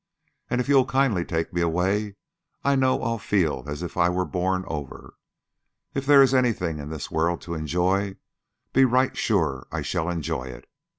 And if you'll kindly take me away, I know I'll feel as if I were born over. If there is anything in this world to enjoy, be right sure I shall enjoy it.